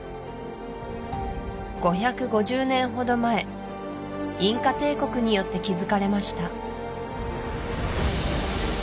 ５５０年ほど前インカ帝国によって築かれました